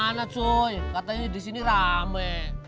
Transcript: mana cuy katanya disini rame